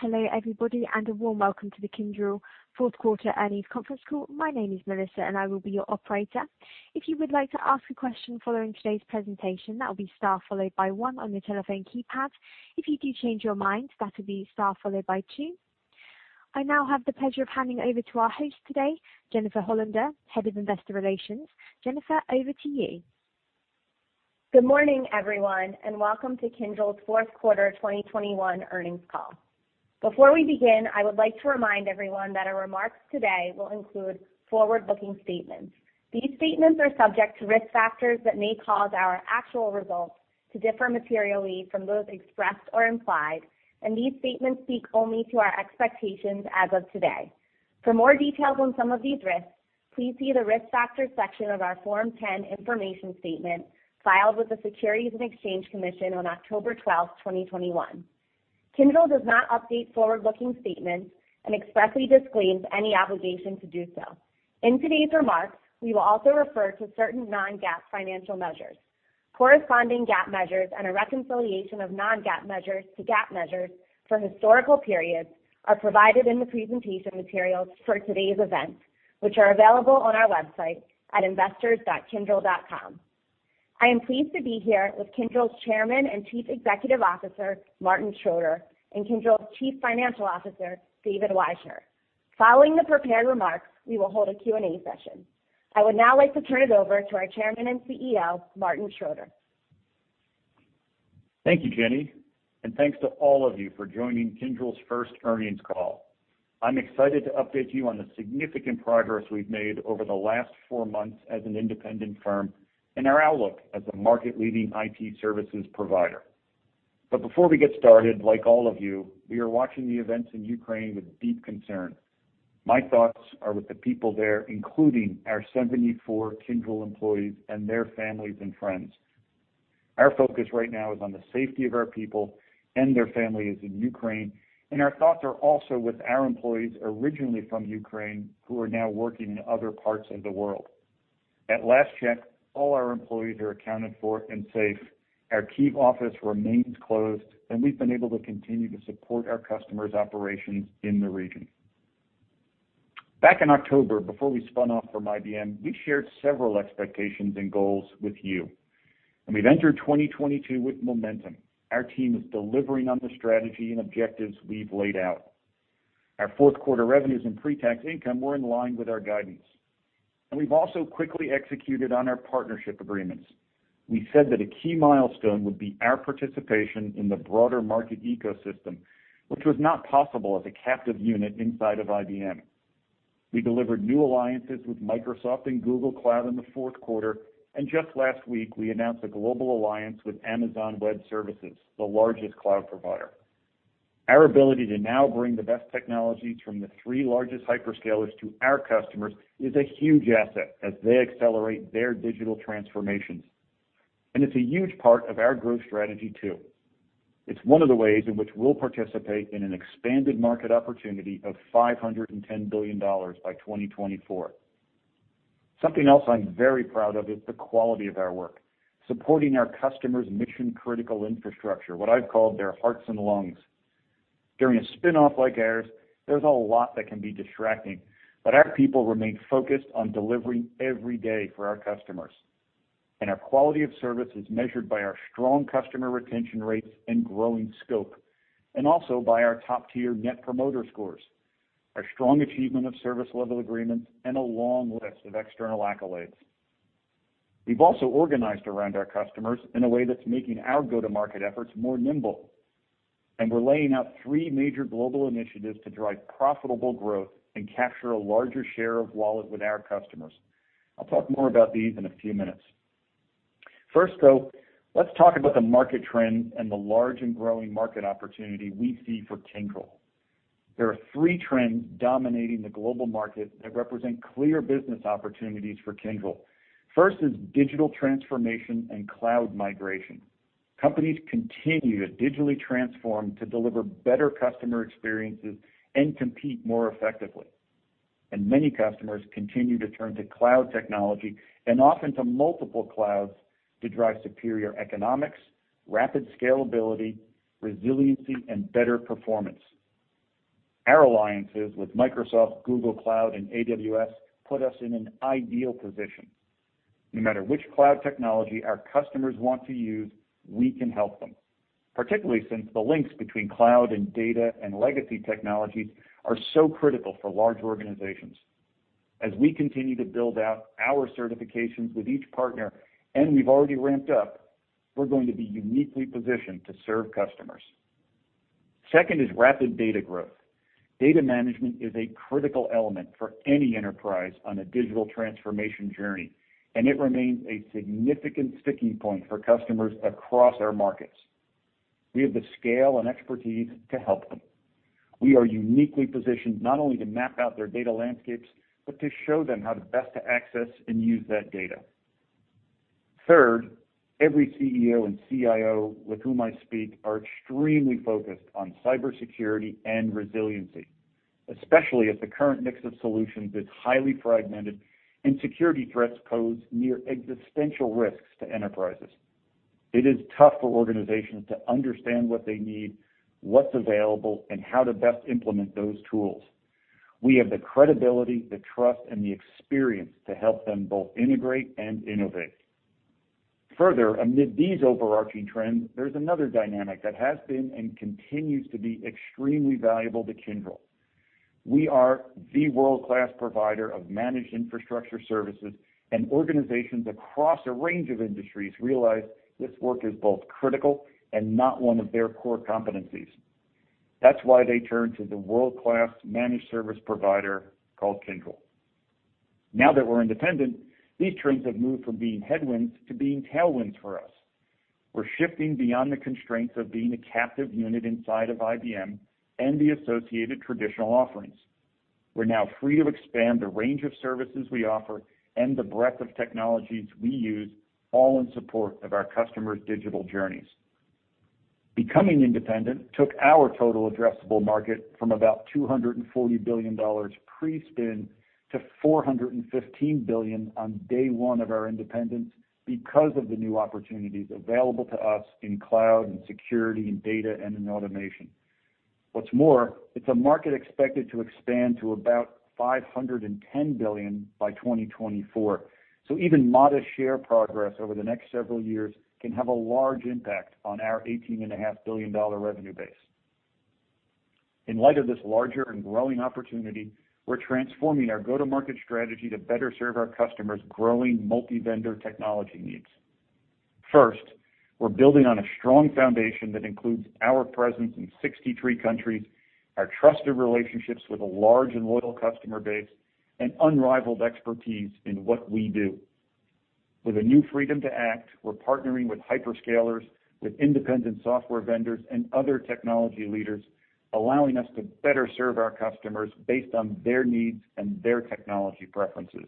Hello, everybody, and a warm welcome to the Kyndryl Q4 earnings conference call. My name is Melissa, and I will be your operator. If you would like to ask a question following today's presentation, that will be star followed by one on your telephone keypad. If you do change your mind, that'll be star followed by two. I now have the pleasure of handing over to our host today, Jennifer Hollander, Head of Investor Relations. Jennifer, over to you. Good morning, everyone, and welcome to Kyndryl's Q4 2021 earnings call. Before we begin, I would like to remind everyone that our remarks today will include forward-looking statements. These statements are subject to risk factors that may cause our actual results to differ materially from those expressed or implied, and these statements speak only to our expectations as of today. For more details on some of these risks, please see the risk factors section of our Form-10 Information Statement filed with the Securities and Exchange Commission on October 12, 2021. Kyndryl does not update forward-looking statements and expressly disclaims any obligation to do so. In today's remarks, we will also refer to certain non-GAAP financial measures. Corresponding GAAP measures and a reconciliation of non-GAAP measures to GAAP measures for historical periods are provided in the presentation materials for today's event, which are available on our website at investors.kyndryl.com. I am pleased to be here with Kyndryl's Chairman and Chief Executive Officer, Martin Schroeter, and Kyndryl's Chief Financial Officer, David Wyshner. Following the prepared remarks, we will hold a Q&A session. I would now like to turn it over to our Chairman and CEO, Martin Schroeter. Thank you, Jenny, and thanks to all of you for joining Kyndryl's first earnings call. I'm excited to update you on the significant progress we've made over the last four months as an independent firm and our outlook as a market-leading IT services provider. Before we get started, like all of you, we are watching the events in Ukraine with deep concern. My thoughts are with the people there, including our 74 Kyndryl employees and their families and friends. Our focus right now is on the safety of our people and their families in Ukraine, and our thoughts are also with our employees originally from Ukraine who are now working in other parts of the world. At last check, all our employees are accounted for and safe. Our Kyiv office remains closed, and we've been able to continue to support our customers' operations in the region. Back in October, before we spun off from IBM, we shared several expectations and goals with you, and we've entered 2022 with momentum. Our team is delivering on the strategy and objectives we've laid out. Our Q4 revenues and pre-tax income were in line with our guidance, and we've also quickly executed on our partnership agreements. We said that a key milestone would be our participation in the broader market ecosystem, which was not possible as a captive unit inside of IBM. We delivered new alliances with Microsoft and Google Cloud in the Q4, and just last week, we announced a global alliance with Amazon Web Services, the largest cloud provider. Our ability to now bring the best technologies from the three largest hyperscalers to our customers is a huge asset as they accelerate their digital transformations. It's a huge part of our growth strategy too. It's one of the ways in which we'll participate in an expanded market opportunity of $510 billion by 2024. Something else I'm very proud of is the quality of our work, supporting our customers' mission-critical infrastructure, what I've called their hearts and lungs. During a spin-off like ours, there's a lot that can be distracting, but our people remain focused on delivering every day for our customers. Our quality of service is measured by our strong customer retention rates and growing scope, and also by our top-tier Net Promoter Score, our strong achievement of service-level agreements, and a long list of external accolades. We've also organized around our customers in a way that's making our go-to-market efforts more nimble, and we're laying out three major global initiatives to drive profitable growth and capture a larger share of wallet with our customers. I'll talk more about these in a few minutes. First, though, let's talk about the market trends and the large and growing market opportunity we see for Kyndryl. There are three trends dominating the global market that represent clear business opportunities for Kyndryl. First is digital transformation and cloud migration. Companies continue to digitally transform to deliver better customer experiences and compete more effectively. Many customers continue to turn to cloud technology and often to multiple clouds to drive superior economics, rapid scalability, resiliency, and better performance. Our alliances with Microsoft, Google Cloud, and AWS put us in an ideal position. No matter which cloud technology our customers want to use, we can help them, particularly since the links between cloud and data and legacy technologies are so critical for large organizations. As we continue to build out our certifications with each partner, and we've already ramped up, we're going to be uniquely positioned to serve customers. Second is rapid data growth. Data management is a critical element for any enterprise on a digital transformation journey, and it remains a significant sticking point for customers across our markets. We have the scale and expertise to help them. We are uniquely positioned not only to map out their data landscapes, but to show them how to best to access and use that data. Third, every CEO and CIO with whom I speak are extremely focused on cybersecurity and resiliency. Especially as the current mix of solutions is highly fragmented and security threats pose near existential risks to enterprises. It is tough for organizations to understand what they need, what's available, and how to best implement those tools. We have the credibility, the trust, and the experience to help them both integrate and innovate. Further, amid these overarching trends, there's another dynamic that has been and continues to be extremely valuable to Kyndryl. We are the world-class provider of managed infrastructure services, and organizations across a range of industries realize this work is both critical and not one of their core competencies. That's why they turn to the world-class managed service provider called Kyndryl. Now that we're independent, these trends have moved from being headwinds to being tailwinds for us. We're shifting beyond the constraints of being a captive unit inside of IBM and the associated traditional offerings. We're now free to expand the range of services we offer and the breadth of technologies we use, all in support of our customers' digital journeys. Becoming independent took our total addressable market from about $240 billion pre-spin to $415 billion on day one of our independence because of the new opportunities available to us in cloud, and security, and data, and in automation. What's more, it's a market expected to expand to about $510 billion by 2024, so even modest share progress over the next several years can have a large impact on our $18.5 billion revenue base. In light of this larger and growing opportunity, we're transforming our go-to-market strategy to better serve our customers' growing multi-vendor technology needs. First, we're building on a strong foundation that includes our presence in 63 countries, our trusted relationships with a large and loyal customer base, and unrivaled expertise in what we do. With a new freedom to act, we're partnering with hyperscalers, with independent software vendors, and other technology leaders, allowing us to better serve our customers based on their needs and their technology preferences.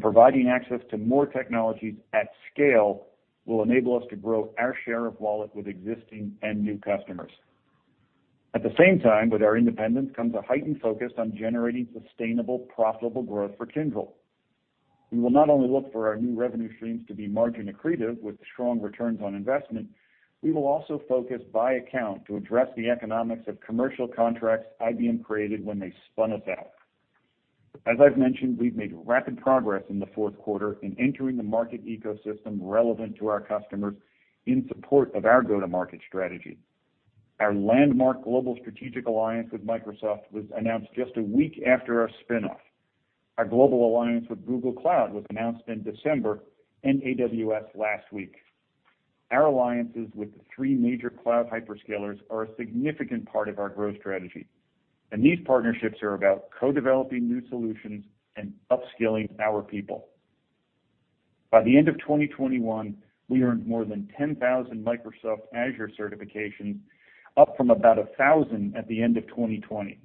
Providing access to more technologies at scale will enable us to grow our share of wallet with existing and new customers. At the same time, with our independence comes a heightened focus on generating sustainable, profitable growth for Kyndryl. We will not only look for our new revenue streams to be margin accretive with strong returns on investment, we will also focus by account to address the economics of commercial contracts IBM created when they spun us out. As I've mentioned, we've made rapid progress in the Q4 in entering the market ecosystem relevant to our customers in support of our go-to-market strategy. Our landmark global strategic alliance with Microsoft was announced just a week after our spin-off. Our global alliance with Google Cloud was announced in December, and AWS last week. Our alliances with the three major cloud hyperscalers are a significant part of our growth strategy, and these partnerships are about co-developing new solutions and upskilling our people. By the end of 2021, we earned more than 10,000 Microsoft Azure certifications, up from about 1,000 at the end of 2020.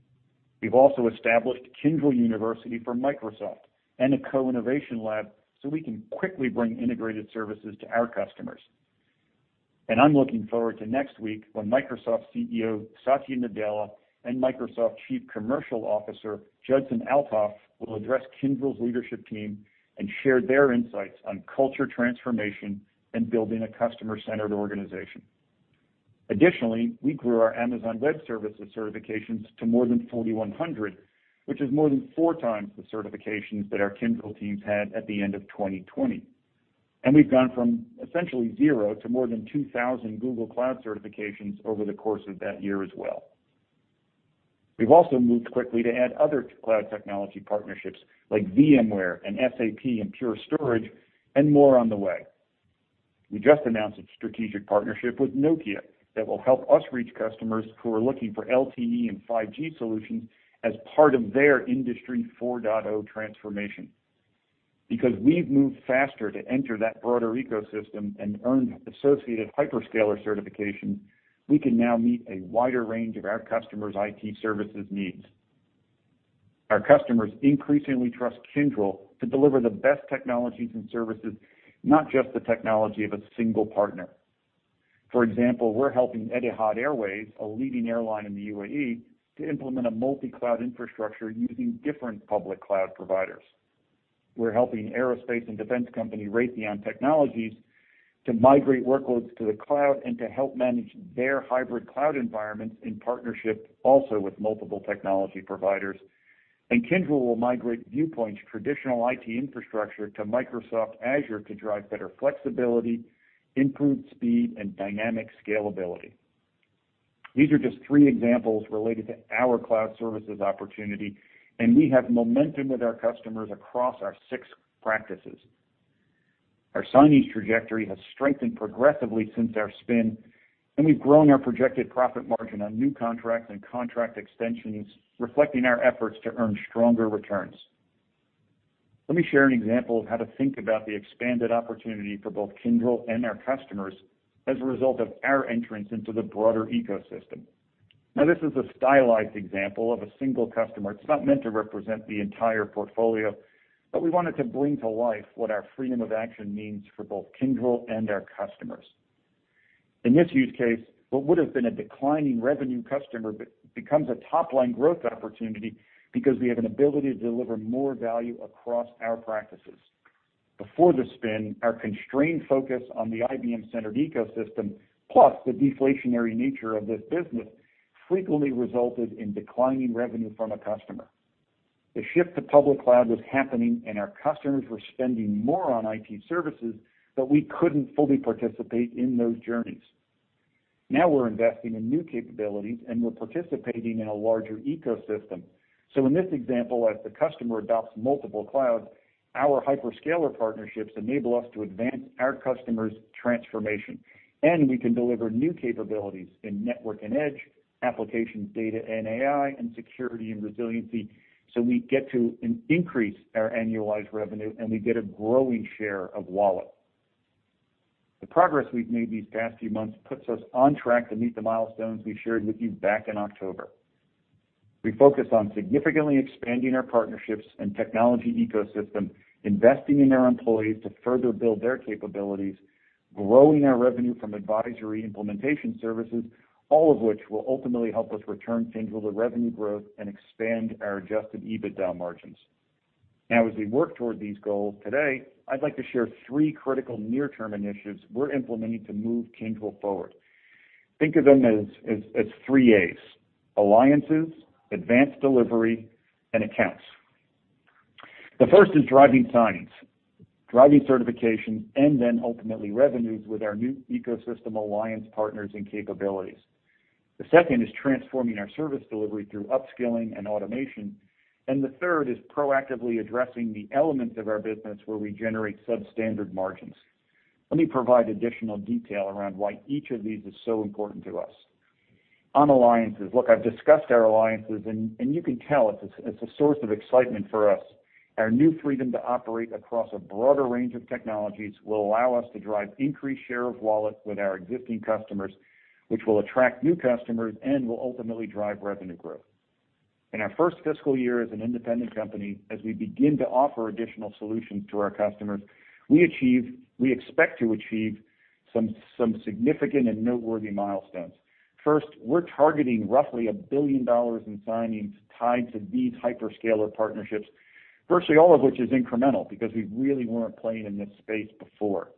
We've also established Kyndryl University for Microsoft and a co-innovation lab so we can quickly bring integrated services to our customers. I'm looking forward to next week when Microsoft CEO Satya Nadella and Microsoft Chief Commercial Officer Judson Althoff will address Kyndryl's leadership team and share their insights on culture transformation and building a customer-centered organization. Additionally, we grew our Amazon Web Services certifications to more than 4,100, which is more than 4x the certifications that our Kyndryl teams had at the end of 2020. We've gone from essentially zero to more than 2,000 Google Cloud certifications over the course of that year as well. We've also moved quickly to add other cloud technology partnerships like VMware and SAP and Pure Storage and more on the way. We just announced a strategic partnership with Nokia that will help us reach customers who are looking for LTE and 5G solutions as part of their Industry 4.0 transformation. Because we've moved faster to enter that broader ecosystem and earned associated hyperscaler certification, we can now meet a wider range of our customers' IT services needs. Our customers increasingly trust Kyndryl to deliver the best technologies and services, not just the technology of a single partner. For example, we're helping Etihad Airways, a leading airline in the UAE, to implement a multi-cloud infrastructure using different public cloud providers. We're helping aerospace and defense company Raytheon Technologies to migrate workloads to the cloud and to help manage their hybrid cloud environments in partnership also with multiple technology providers. Kyndryl will migrate Viewpoint's traditional IT infrastructure to Microsoft Azure to drive better flexibility, improved speed, and dynamic scalability. These are just three examples related to our cloud services opportunity, and we have momentum with our customers across our six practices. Our signings trajectory has strengthened progressively since our spin, and we've grown our projected profit margin on new contracts and contract extensions, reflecting our efforts to earn stronger returns. Let me share an example of how to think about the expanded opportunity for both Kyndryl and our customers as a result of our entrance into the broader ecosystem. Now, this is a stylized example of a single customer. It's not meant to represent the entire portfolio, but we wanted to bring to life what our freedom of action means for both Kyndryl and our customers. In this use case, what would have been a declining revenue customer becomes a top-line growth opportunity because we have an ability to deliver more value across our practices. Before the spin, our constrained focus on the IBM-centered ecosystem, plus the deflationary nature of this business, frequently resulted in declining revenue from a customer. The shift to public cloud was happening, and our customers were spending more on IT services, but we couldn't fully participate in those journeys. Now we're investing in new capabilities, and we're participating in a larger ecosystem. In this example, as the customer adopts multiple clouds, our hyperscaler partnerships enable us to advance our customers' transformation. We can deliver new capabilities in network and edge, applications, data and AI, and security and resiliency, so we get to increase our annualized revenue, and we get a growing share of wallet. The progress we've made these past few months puts us on track to meet the milestones we shared with you back in October. We focus on significantly expanding our partnerships and technology ecosystem, investing in our employees to further build their capabilities, growing our revenue from advisory implementation services, all of which will ultimately help us return to revenue growth and expand our adjusted EBITDA margins. Now as we work toward these goals, today, I'd like to share three critical near-term initiatives we're implementing to move Kyndryl forward. Think of them as three A's, alliances, advanced delivery, and accounts. The first is driving signings, driving certification, and then ultimately revenues with our new ecosystem alliance partners and capabilities. The second is transforming our service delivery through upskilling and automation. The third is proactively addressing the elements of our business where we generate substandard margins. Let me provide additional detail around why each of these is so important to us. On alliances, look, I've discussed our alliances and you can tell it's a source of excitement for us. Our new freedom to operate across a broader range of technologies will allow us to drive increased share of wallet with our existing customers, which will attract new customers and will ultimately drive revenue growth. In our first fiscal year as an independent company, as we begin to offer additional solutions to our customers, we expect to achieve some significant and noteworthy milestones. First, we're targeting roughly $1 billion in signings tied to these hyperscaler partnerships, virtually all of which is incremental because we really weren't playing in this space before.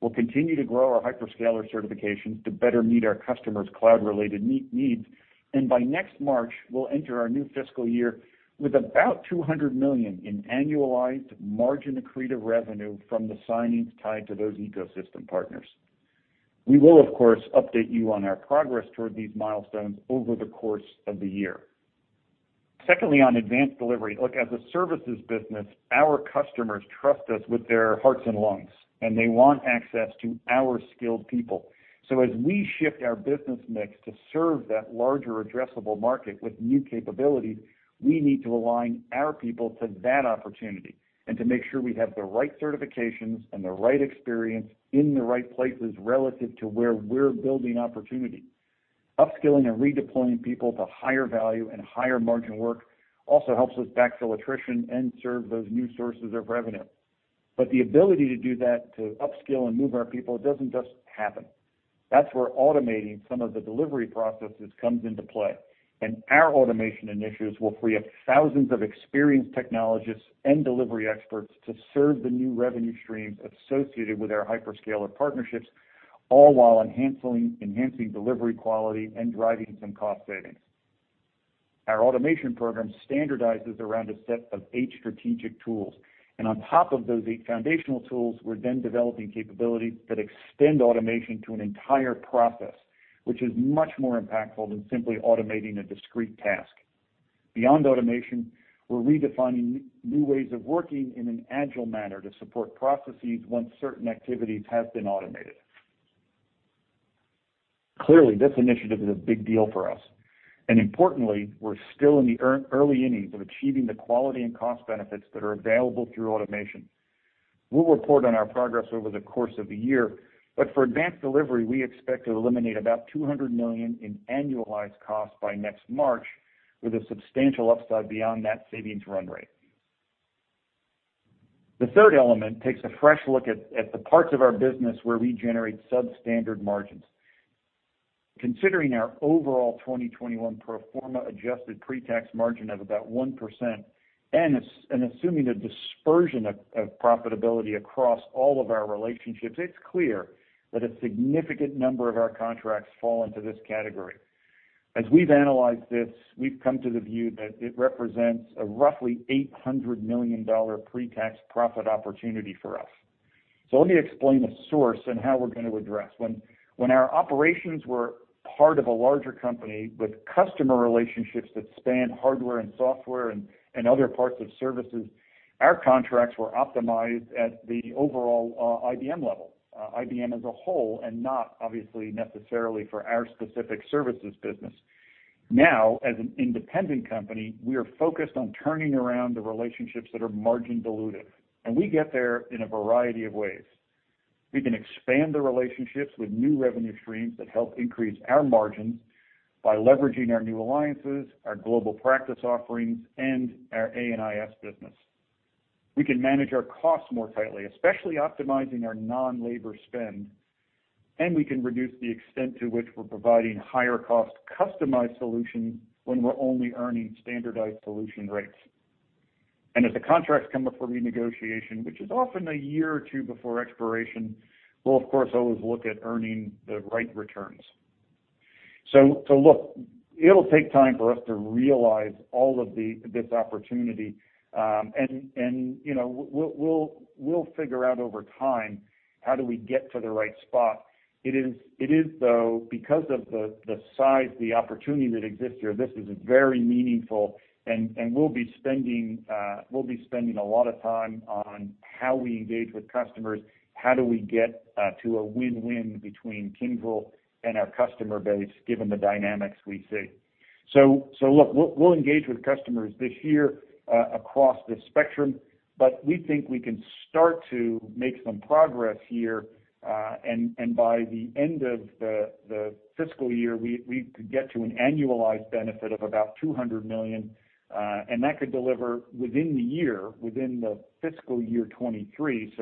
We'll continue to grow our hyperscaler certifications to better meet our customers' cloud-related needs, and by next March, we'll enter our new fiscal year with about $200 million in annualized margin-accretive revenue from the signings tied to those ecosystem partners. We will, of course, update you on our progress toward these milestones over the course of the year. Secondly, on advanced delivery, look, as a services business, our customers trust us with their hearts and lungs, and they want access to our skilled people. As we shift our business mix to serve that larger addressable market with new capabilities, we need to align our people to that opportunity and to make sure we have the right certifications and the right experience in the right places relative to where we're building opportunity. Upskilling and redeploying people to higher value and higher margin work also helps us backfill attrition and serve those new sources of revenue. The ability to do that, to upskill and move our people, doesn't just happen. That's where automating some of the delivery processes comes into play, and our automation initiatives will free up thousands of experienced technologists and delivery experts to serve the new revenue streams associated with our hyperscaler partnerships, all while enhancing delivery quality and driving some cost savings. Our automation program standardizes around a set of eight strategic tools, and on top of those eight foundational tools, we're then developing capabilities that extend automation to an entire process, which is much more impactful than simply automating a discrete task. Beyond automation, we're redefining new ways of working in an agile manner to support processes once certain activities have been automated. Clearly, this initiative is a big deal for us. Importantly, we're still in the early innings of achieving the quality and cost benefits that are available through automation. We'll report on our progress over the course of the year, but for advanced delivery, we expect to eliminate about $200 million in annualized costs by next March with a substantial upside beyond that savings run rate. The third element takes a fresh look at the parts of our business where we generate substandard margins. Considering our overall 2021 pro forma adjusted pre-tax margin of about 1% and assuming a dispersion of profitability across all of our relationships, it's clear that a significant number of our contracts fall into this category. As we've analyzed this, we've come to the view that it represents a roughly $800 million pre-tax profit opportunity for us. Let me explain the source and how we're gonna address. When our operations were part of a larger company with customer relationships that spanned hardware and software and other parts of services, our contracts were optimized at the overall IBM level, IBM as a whole, and not obviously necessarily for our specific services business. Now, as an independent company, we are focused on turning around the relationships that are margin dilutive, and we get there in a variety of ways. We can expand the relationships with new revenue streams that help increase our margins by leveraging our new alliances, our global practice offerings, and our A&IS business. We can manage our costs more tightly, especially optimizing our non-labor spend, and we can reduce the extent to which we're providing higher cost customized solutions when we're only earning standardized solution rates. As the contracts come up for renegotiation, which is often a year or two before expiration, we'll of course always look at earning the right returns. Look, it'll take time for us to realize all of this opportunity, and you know, we'll figure out over time how do we get to the right spot. It is though, because of the size, the opportunity that exists here. This is very meaningful and we'll be spending a lot of time on how we engage with customers, how do we get to a win-win between Kyndryl and our customer base given the dynamics we see. Look, we'll engage with customers this year across the spectrum, but we think we can start to make some progress here, and by the end of the fiscal year, we could get to an annualized benefit of about $200 million, and that could deliver within the year, within the fiscal year 2023,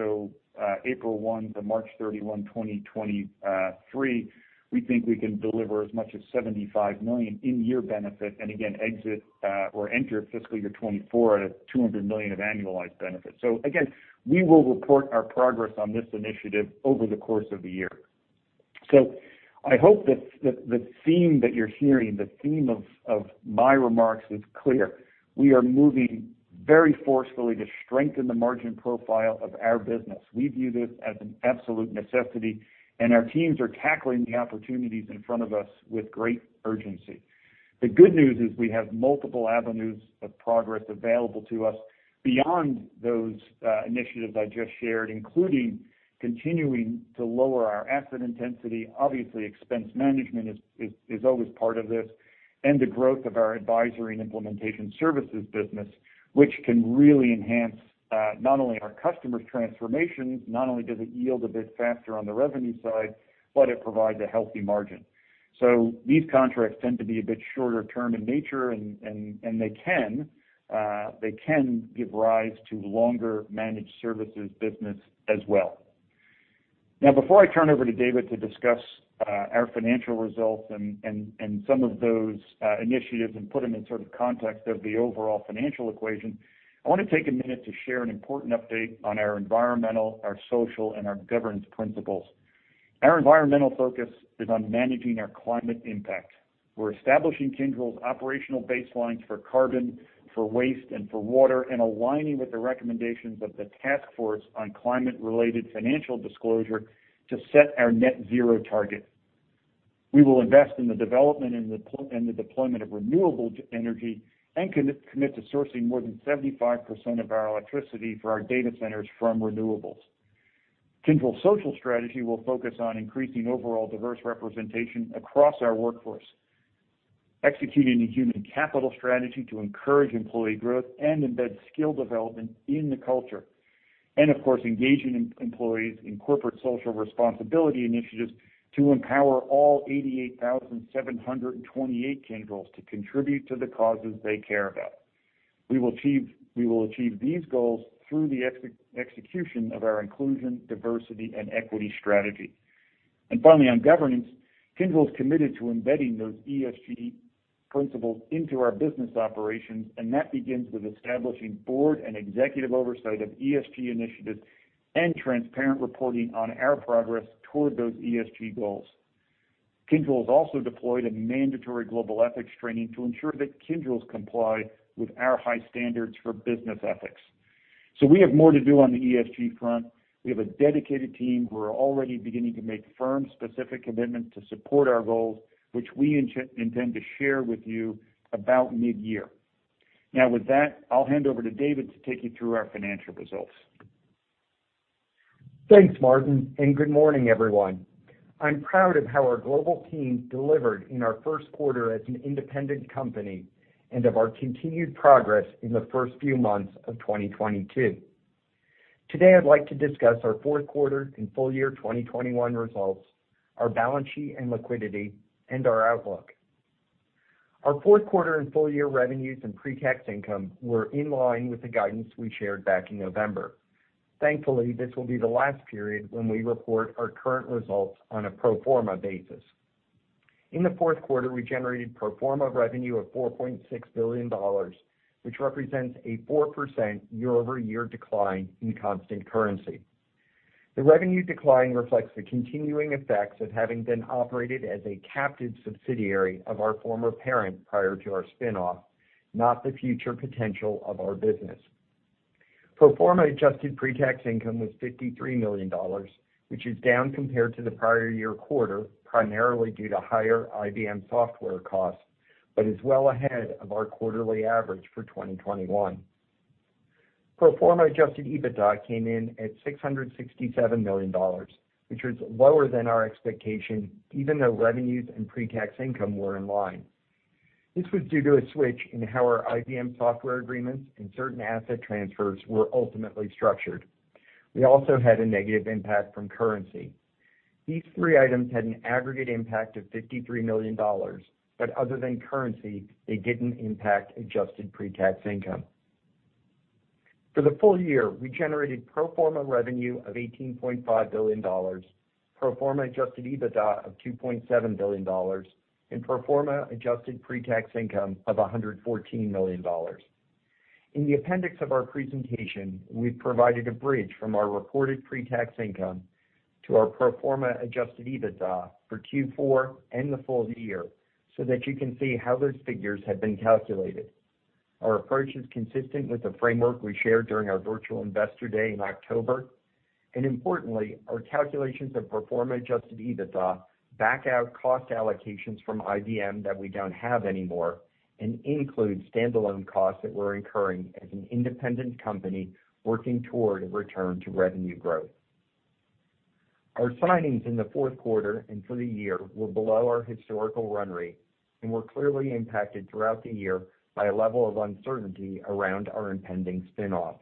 April 1 to March 31, 2023, we think we can deliver as much as $75 million in-year benefit, and again, exit or enter fiscal year 2024 at $200 million of annualized benefits. Again, we will report our progress on this initiative over the course of the year. I hope that the theme that you're hearing, the theme of my remarks is clear. We are moving very forcefully to strengthen the margin profile of our business. We view this as an absolute necessity, and our teams are tackling the opportunities in front of us with great urgency. The good news is we have multiple avenues of progress available to us beyond those initiatives I just shared, including continuing to lower our asset intensity. Obviously, expense management is always part of this, and the growth of our advisory and implementation services business, which can really enhance not only our customers' transformations, not only does it yield a bit faster on the revenue side, but it provides a healthy margin. These contracts tend to be a bit shorter term in nature and they can give rise to longer managed services business as well. Now, before I turn over to David to discuss our financial results and some of those initiatives and put them in sort of context of the overall financial equation, I wanna take a minute to share an important update on our environmental, our social, and our governance principles. Our environmental focus is on managing our climate impact. We're establishing Kyndryl's operational baselines for carbon, for waste, and for water, and aligning with the recommendations of the task force on climate-related financial disclosure to set our net zero target. We will invest in the development and the deployment of renewable energy and commit to sourcing more than 75% of our electricity for our data centers from renewables. Kyndryl social strategy will focus on increasing overall diverse representation across our workforce, executing a human capital strategy to encourage employee growth and embed skill development in the culture, and of course, engaging employees in corporate social responsibility initiatives to empower all 88,728 Kyndryls to contribute to the causes they care about. We will achieve these goals through the execution of our inclusion, diversity, and equity strategy. Finally, on governance, Kyndryl's committed to embedding those ESG principles into our business operations, and that begins with establishing board and executive oversight of ESG initiatives and transparent reporting on our progress toward those ESG goals. Kyndryl's also deployed a mandatory global ethics training to ensure that Kyndryls comply with our high standards for business ethics. We have more to do on the ESG front. We have a dedicated team who are already beginning to make firm-specific commitments to support our goals, which we intend to share with you about mid-year. Now, with that, I'll hand over to David to take you through our financial results. Thanks, Martin, and good morning, everyone. I'm proud of how our global team delivered in our Q1 as an independent company and of our continued progress in the first few months of 2022. Today, I'd like to discuss our Q4 and full year 2021 results, our balance sheet and liquidity, and our outlook. Our Q4 and full year revenues and pre-tax income were in line with the guidance we shared back in November. Thankfully, this will be the last period when we report our current results on a pro forma basis. In the Q4, we generated pro forma revenue of $4.6 billion, which represents a 4% year-over-year decline in constant currency. The revenue decline reflects the continuing effects of having been operated as a captive subsidiary of our former parent prior to our spin-off, not the future potential of our business. Pro forma adjusted pre-tax income was $53 million, which is down compared to the prior year quarter, primarily due to higher IBM software costs, but is well ahead of our quarterly average for 2021. Pro forma adjusted EBITDA came in at $667 million, which is lower than our expectation, even though revenues and pre-tax income were in line. This was due to a switch in how our IBM software agreements and certain asset transfers were ultimately structured. We also had a negative impact from currency. These three items had an aggregate impact of $53 million, but other than currency, they didn't impact adjusted pre-tax income. For the full year, we generated pro forma revenue of $18.5 billion, pro forma adjusted EBITDA of $2.7 billion, and pro forma adjusted pre-tax income of $114 million. In the appendix of our presentation, we've provided a bridge from our reported pre-tax income to our pro forma adjusted EBITDA for Q4 and the full year so that you can see how those figures have been calculated. Our approach is consistent with the framework we shared during our virtual Investor Day in October. Importantly, our calculations of pro forma adjusted EBITDA back out cost allocations from IBM that we don't have anymore and include standalone costs that we're incurring as an independent company working toward a return to revenue growth. Our signings in the Q4 and for the year were below our historical run rate and were clearly impacted throughout the year by a level of uncertainty around our impending spin-off.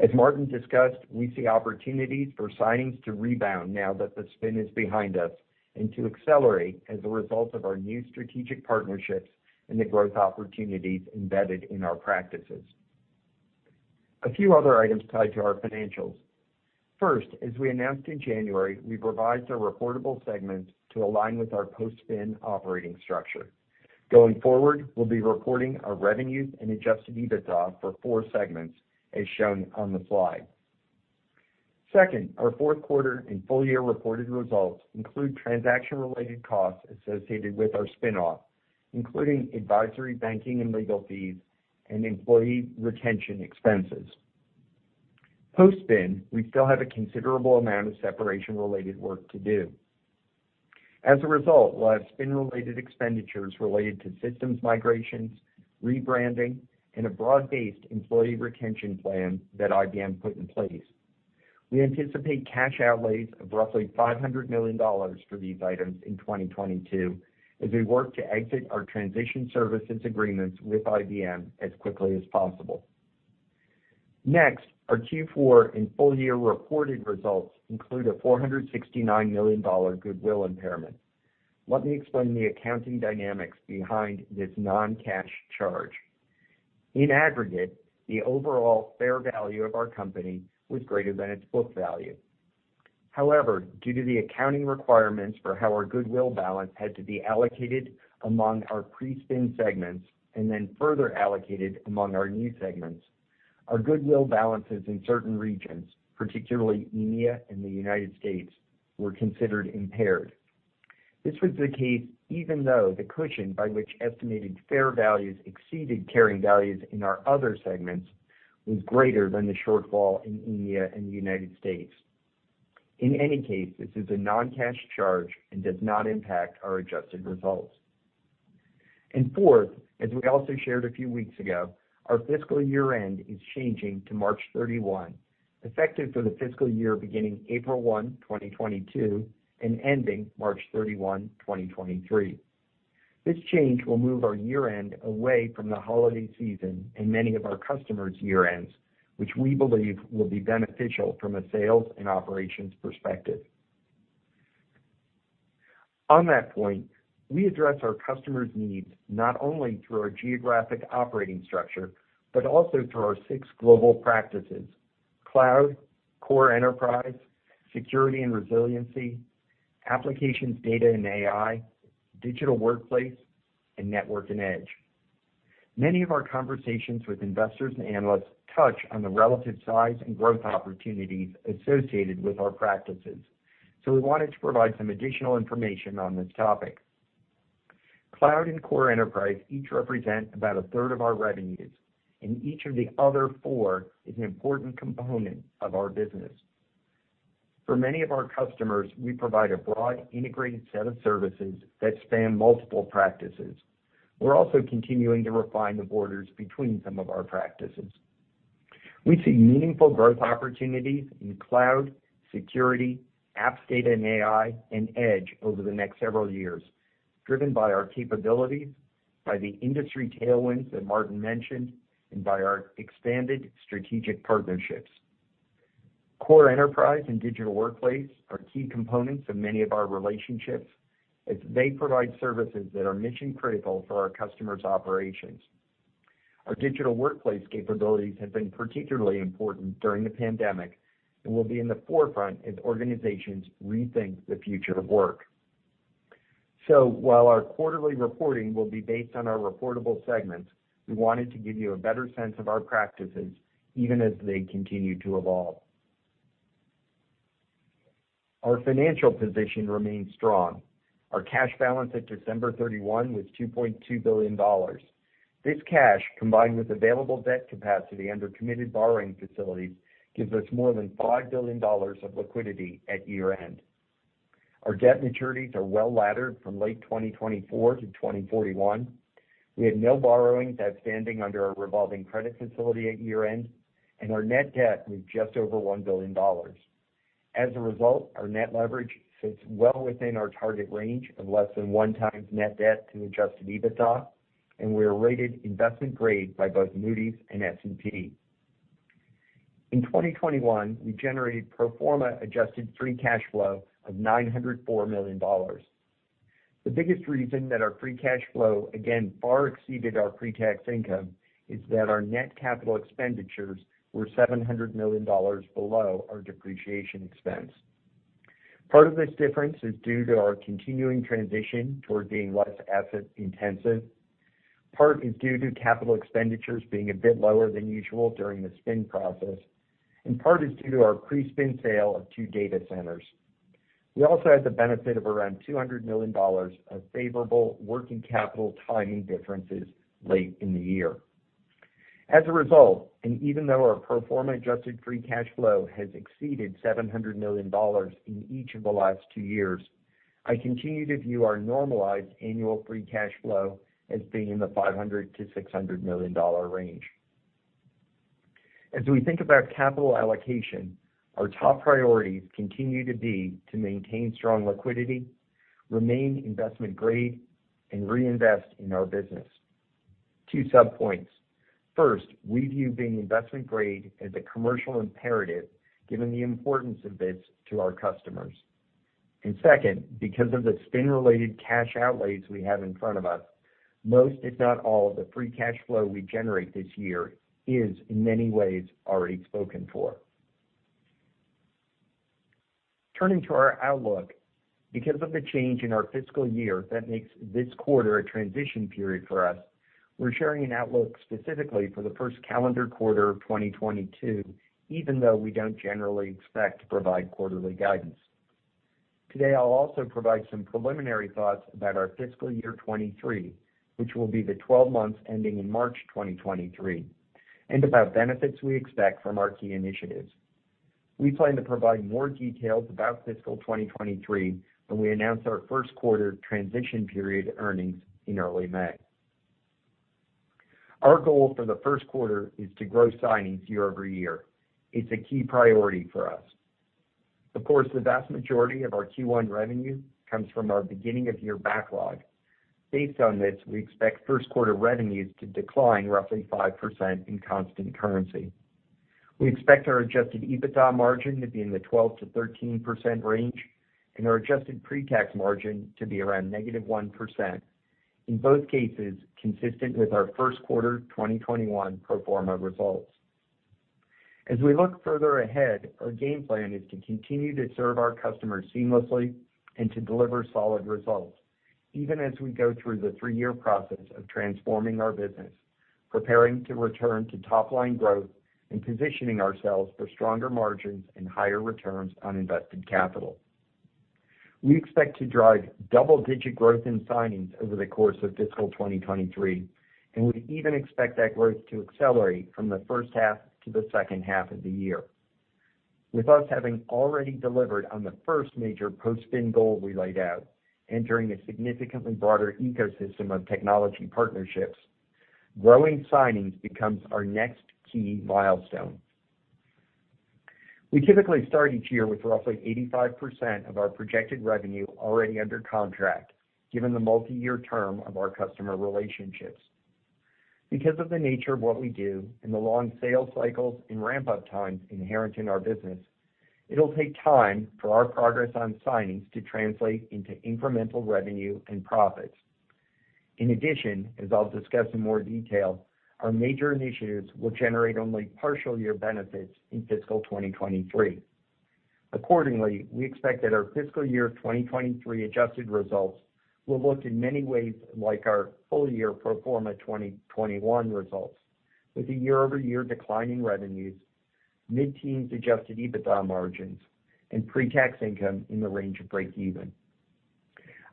As Martin discussed, we see opportunities for signings to rebound now that the spin is behind us and to accelerate as a result of our new strategic partnerships and the growth opportunities embedded in our practices. A few other items tied to our financials. First, as we announced in January, we revised our reportable segments to align with our post-spin operating structure. Going forward, we'll be reporting our revenues and adjusted EBITDA for four segments, as shown on the slide. Second, our Q4 and full year reported results include transaction-related costs associated with our spin-off, including advisory, banking, and legal fees and employee retention expenses. Post-spin, we still have a considerable amount of separation-related work to do. As a result, we'll have spin-related expenditures related to systems migrations, rebranding, and a broad-based employee retention plan that IBM put in place. We anticipate cash outlays of roughly $500 million for these items in 2022 as we work to exit our transition services agreements with IBM as quickly as possible. Next, our Q4 and full year reported results include a $469 million goodwill impairment. Let me explain the accounting dynamics behind this non-cash charge. In aggregate, the overall fair value of our company was greater than its book value. However, due to the accounting requirements for how our goodwill balance had to be allocated among our pre-spin segments and then further allocated among our new segments, our goodwill balances in certain regions, particularly EMEA and the United States, were considered impaired. This was the case even though the cushion by which estimated fair values exceeded carrying values in our other segments was greater than the shortfall in EMEA and the United States. In any case, this is a non-cash charge and does not impact our adjusted results. Fourth, as we also shared a few weeks ago, our fiscal year-end is changing to March 31, effective for the fiscal year beginning April 1, 2022, and ending March 31, 2023. This change will move our year-end away from the holiday season and many of our customers' year-ends, which we believe will be beneficial from a sales and operations perspective. On that point, we address our customers' needs not only through our geographic operating structure, but also through our six global practices: cloud, core enterprise, security and resiliency, applications, data, and AI, digital workplace, and network and edge. Many of our conversations with investors and analysts touch on the relative size and growth opportunities associated with our practices, so we wanted to provide some additional information on this topic. Cloud and Core Enterprise each represent about a third of our revenues, and each of the other four is an important component of our business. For many of our customers, we provide a broad integrated set of services that span multiple practices. We're also continuing to refine the borders between some of our practices. We see meaningful growth opportunities in Cloud, Security, Apps, Data, and AI, and Edge over the next several years, driven by our capabilities, by the industry tailwinds that Martin mentioned, and by our expanded strategic partnerships. Core Enterprise and Digital Workplace are key components of many of our relationships as they provide services that are mission-critical for our customers' operations. Our digital workplace capabilities have been particularly important during the pandemic and will be in the forefront as organizations rethink the future of work. While our quarterly reporting will be based on our reportable segments, we wanted to give you a better sense of our practices even as they continue to evolve. Our financial position remains strong. Our cash balance at December 31 was $2.2 billion. This cash, combined with available debt capacity under committed borrowing facilities, gives us more than $5 billion of liquidity at year-end. Our debt maturities are well-laddered from late 2024 to 2041. We have no borrowings outstanding under our revolving credit facility at year-end, and our net debt was just over $1 billion. As a result, our net leverage sits well within our target range of less than 1x net debt to adjusted EBITDA, and we are rated investment grade by both Moody's and S&P. In 2021, we generated pro forma adjusted free cash flow of $904 million. The biggest reason that our free cash flow again far exceeded our pre-tax income is that our net capital expenditures were $700 million below our depreciation expense. Part of this difference is due to our continuing transition toward being less asset intensive, part is due to capital expenditures being a bit lower than usual during the spin process, and part is due to our pre-spin sale of 2 data centers. We also had the benefit of around $200 million of favorable working capital timing differences late in the year. As a result, even though our pro forma adjusted free cash flow has exceeded $700 million in each of the last two years, I continue to view our normalized annual free cash flow as being in the $500 million-$600 million range. As we think about capital allocation, our top priorities continue to be to maintain strong liquidity, remain investment grade, and reinvest in our business. Two sub-points. First, we view being investment grade as a commercial imperative given the importance of this to our customers. Second, because of the spin-related cash outlays we have in front of us, most, if not all, of the free cash flow we generate this year is in many ways already spoken for. Turning to our outlook, because of the change in our fiscal year that makes this quarter a transition period for us, we're sharing an outlook specifically for the first calendar quarter of 2022, even though we don't generally expect to provide quarterly guidance. Today, I'll also provide some preliminary thoughts about our fiscal year 2023, which will be the 12 months ending in March 2023, and about benefits we expect from our key initiatives. We plan to provide more details about fiscal 2023 when we announce our Q1 transition period earnings in early May. Our goal for the Q1 is to grow signings year-over-year. It's a key priority for us. Of course, the vast majority of our Q1 revenue comes from our beginning of year backlog. Based on this, we expect Q1 revenues to decline roughly 5% in constant currency. We expect our adjusted EBITDA margin to be in the 12%-13% range and our adjusted pre-tax margin to be around -1%, in both cases, consistent with our Q1 2021 pro forma results. As we look further ahead, our game plan is to continue to serve our customers seamlessly and to deliver solid results, even as we go through the 3-year process of transforming our business, preparing to return to top-line growth, and positioning ourselves for stronger margins and higher returns on invested capital. We expect to drive double-digit growth in signings over the course of fiscal 2023, and we even expect that growth to accelerate from the first half to the second half of the year. With us having already delivered on the first major post-spin goal we laid out, entering a significantly broader ecosystem of technology partnerships, growing signings becomes our next key milestone. We typically start each year with roughly 85% of our projected revenue already under contract, given the multi-year term of our customer relationships. Because of the nature of what we do and the long sales cycles and ramp-up times inherent in our business, it'll take time for our progress on signings to translate into incremental revenue and profits. In addition, as I'll discuss in more detail, our major initiatives will generate only partial year benefits in fiscal 2023. Accordingly, we expect that our fiscal year 2023 adjusted results will look in many ways like our full year pro forma 2021 results, with a year-over-year decline in revenues, mid-teens adjusted EBITDA margins, and pre-tax income in the range of breakeven.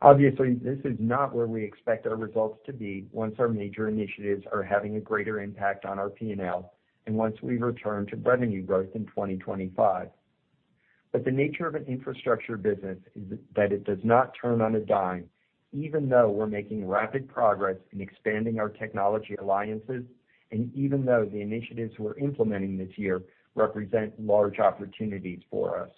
Obviously, this is not where we expect our results to be once our major initiatives are having a greater impact on our P&L and once we return to revenue growth in 2025. The nature of an infrastructure business is that it does not turn on a dime, even though we're making rapid progress in expanding our technology alliances, and even though the initiatives we're implementing this year represent large opportunities for us.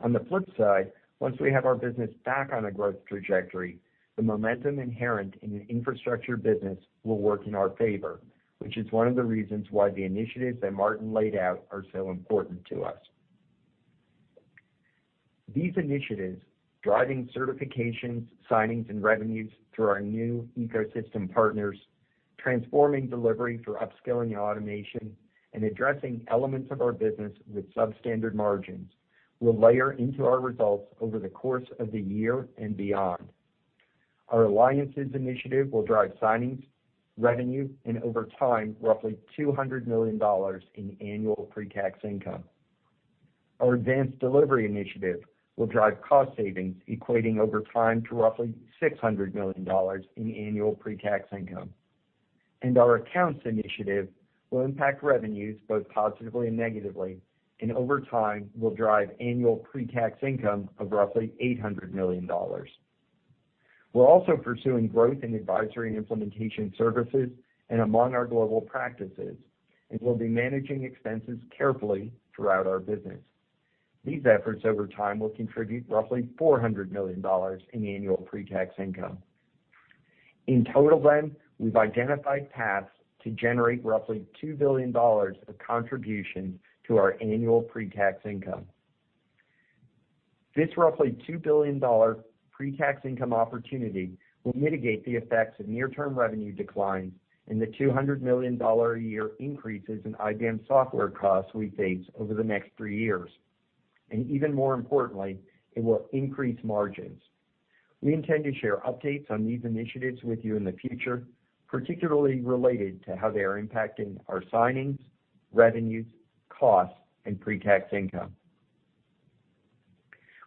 On the flip side, once we have our business back on a growth trajectory, the momentum inherent in an infrastructure business will work in our favor, which is one of the reasons why the initiatives that Martin laid out are so important to us. These initiatives, driving certifications, signings, and revenues through our new ecosystem partners, transforming delivery through upskilling and automation, and addressing elements of our business with substandard margins, will layer into our results over the course of the year and beyond. Our alliances initiative will drive signings, revenue, and over time, roughly $200 million in annual pre-tax income. Our advanced delivery initiative will drive cost savings equating over time to roughly $600 million in annual pre-tax income. Our accounts initiative will impact revenues both positively and negatively, and over time, will drive annual pre-tax income of roughly $800 million. We're also pursuing growth in advisory and implementation services and among our global practices, and we'll be managing expenses carefully throughout our business. These efforts over time will contribute roughly $400 million in annual pre-tax income. In total, we've identified paths to generate roughly $2 billion of contribution to our annual pre-tax income. This roughly $2 billion pre-tax income opportunity will mitigate the effects of near-term revenue declines and the $200 million a year increases in IBM software costs we face over the next three years. Even more importantly, it will increase margins. We intend to share updates on these initiatives with you in the future, particularly related to how they are impacting our signings, revenues, costs, and pre-tax income.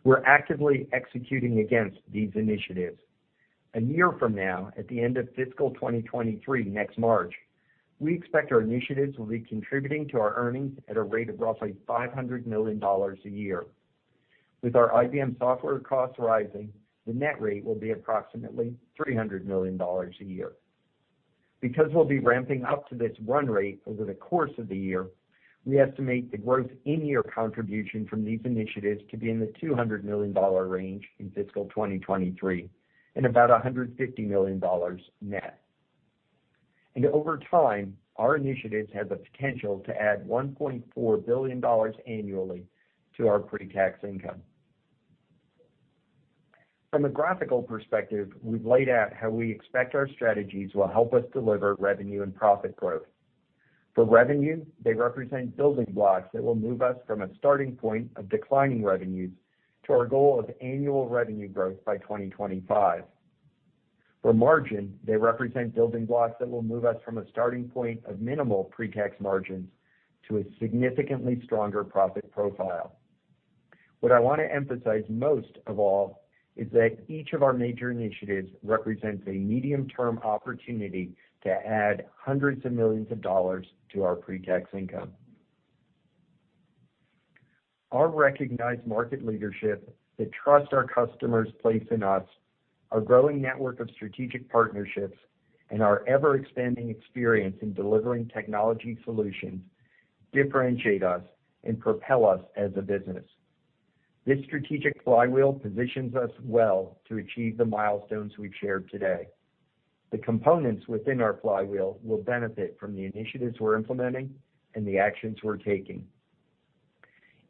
We're actively executing against these initiatives. A year from now, at the end of fiscal 2023, next March, we expect our initiatives will be contributing to our earnings at a rate of roughly $500 million a year. With our IBM software costs rising, the net rate will be approximately $300 million a year. Because we'll be ramping up to this run rate over the course of the year, we estimate the gross in-year contribution from these initiatives to be in the $200 million range in fiscal 2023 and about $150 million net. Over time, our initiatives have the potential to add $1.4 billion annually to our pre-tax income. From a graphical perspective, we've laid out how we expect our strategies will help us deliver revenue and profit growth. For revenue, they represent building blocks that will move us from a starting point of declining revenues to our goal of annual revenue growth by 2025. For margin, they represent building blocks that will move us from a starting point of minimal pre-tax margins to a significantly stronger profit profile. What I want to emphasize most of all is that each of our major initiatives represents a medium-term opportunity to add hundreds of millions of dollars to our pre-tax income. Our recognized market leadership, the trust our customers place in us, our growing network of strategic partnerships, and our ever-expanding experience in delivering technology solutions differentiate us and propel us as a business. This strategic flywheel positions us well to achieve the milestones we've shared today. The components within our flywheel will benefit from the initiatives we're implementing and the actions we're taking.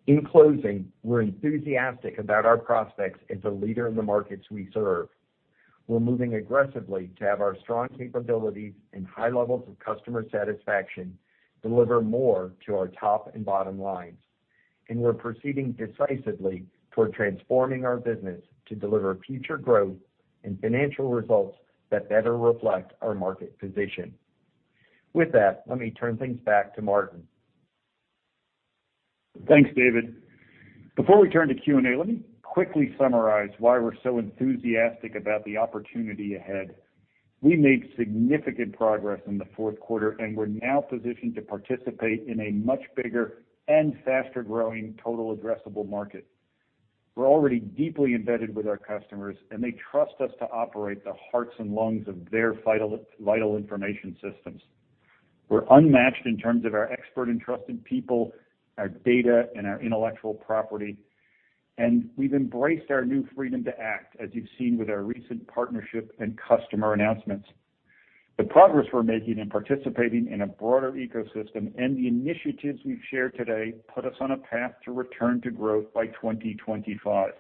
In closing, we're enthusiastic about our prospects as a leader in the markets we serve. We're moving aggressively to have our strong capabilities and high levels of customer satisfaction deliver more to our top and bottom lines, and we're proceeding decisively toward transforming our business to deliver future growth and financial results that better reflect our market position. With that, let me turn things back to Martin. Thanks, David. Before we turn to Q&A, let me quickly summarize why we're so enthusiastic about the opportunity ahead. We made significant progress in the Q4, and we're now positioned to participate in a much bigger and faster-growing total addressable market. We're already deeply embedded with our customers, and they trust us to operate the hearts and lungs of their vital information systems. We're unmatched in terms of our expert and trusted people, our data, and our intellectual property, and we've embraced our new freedom to act, as you've seen with our recent partnership and customer announcements. The progress we're making in participating in a broader ecosystem and the initiatives we've shared today put us on a path to return to growth by 2025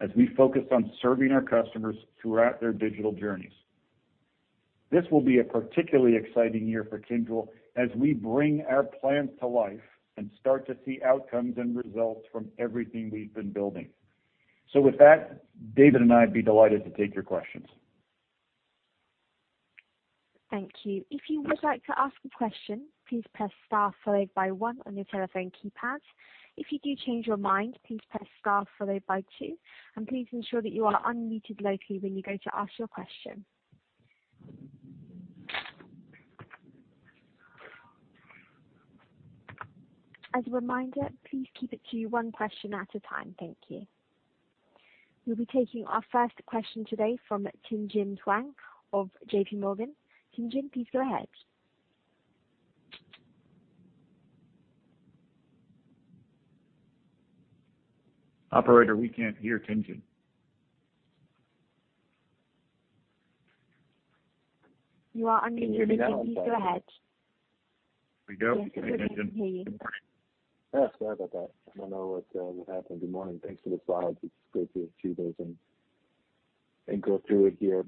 as we focus on serving our customers throughout their digital journeys. This will be a particularly exciting year for Kyndryl as we bring our plans to life and start to see outcomes and results from everything we've been building. With that, David and I'd be delighted to take your questions. Thank you. If you would like to ask a question, please press star followed by one on your telephone keypad. If you do change your mind, please press star followed by two, and please ensure that you are unmuted locally when you go to ask your question. As a reminder, please keep it to one question at a time. Thank you. We'll be taking our first question today from Tien-Tsin Huang of JPMorgan. Tien-Tsin, please go ahead. Operator, we can't hear Tien-Tsin Huang. You are unmuted, Tien-Tsin Huang. Please go ahead. There we go. Yes, we can hear you. Yeah, sorry about that. I don't know what happened. Good morning. Thanks for the slides. It's great to see those and go through it here.